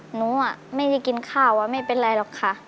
หนูไม่ได้กินข้าวไม่เป็นไรหรอกค่ะ